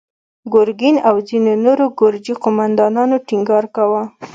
ګرګين او ځينو نورو ګرجي قوماندانانو ټينګار کاوه.